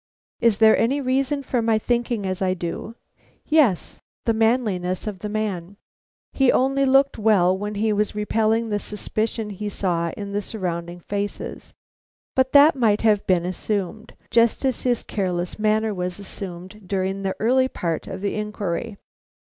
Is there any reason for my thinking as I do? Yes, the manliness of man. He only looked well when he was repelling the suspicion he saw in the surrounding faces. But that might have been assumed, just as his careless manner was assumed during the early part of the inquiry.